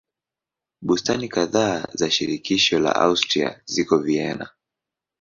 Bustani kadhaa za shirikisho la Austria ziko Vienna.